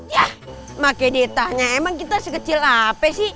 ya maka dia tanya emang kita sekecil apa sih